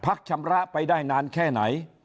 ชำระไปได้นานแค่ไหน